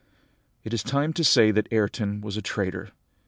"It is time to say that Ayrton was a traitor.